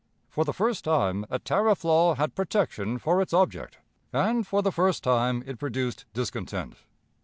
For the first time a tariff law had protection for its object, and for the first time it produced discontent.